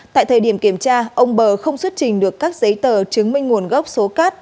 tại thời điểm kiểm tra ông bờ không xuất trình được các giấy tờ chứng minh nguồn gốc số cát